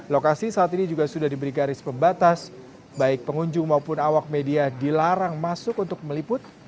lokasi saat ini juga sudah diberi garis pembatas baik pengunjung maupun awak media dilarang masuk untuk meliput